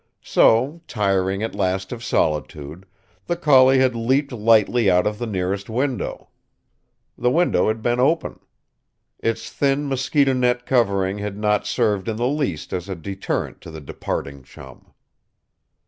So, tiring at last of solitude, the collie had leaped lightly out of the nearest window. The window had been open. Its thin mosquito net covering had not served in the least as a deterrent to the departing Chum.